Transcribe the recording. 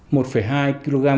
một nòng giảm thanh hai ống ngắm